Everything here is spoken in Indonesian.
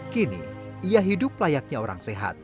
kini ia hidup layaknya orang sehat